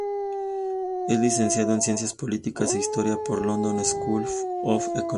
Es licenciado en Ciencias Políticas e Historia por la London School of Economics.